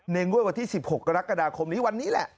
งวดวันที่๑๖กรกฎาคมนี้วันนี้แหละ